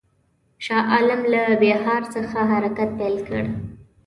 شاه عالم له بیهار څخه حرکت پیل کړ.